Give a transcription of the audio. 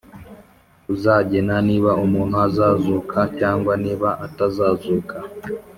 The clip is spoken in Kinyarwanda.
uzagena niba umuntu azazuka cyangwa niba atazazuka